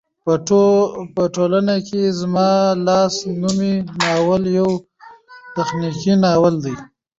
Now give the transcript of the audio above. په ټوله کې زما لاس نومی ناول يو تخنيکي ناول دى